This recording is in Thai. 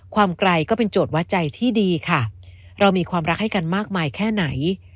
ไกลก็เป็นโจทย์วัดใจที่ดีค่ะเรามีความรักให้กันมากมายแค่ไหน